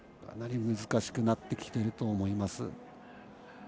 難しくなってきていると思います。